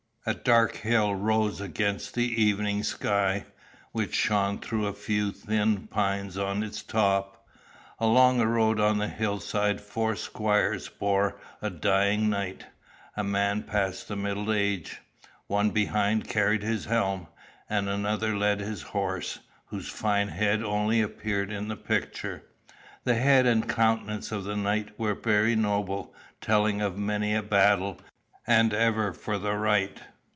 A dark hill rose against the evening sky, which shone through a few thin pines on its top. Along a road on the hill side four squires bore a dying knight a man past the middle age. One behind carried his helm, and another led his horse, whose fine head only appeared in the picture. The head and countenance of the knight were very noble, telling of many a battle, and ever for the right.